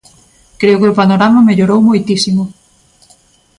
Creo que o panorama mellorou moitísimo.